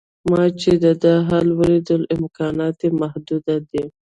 ما چې د ده حال ولید امکانات یې محدود دي.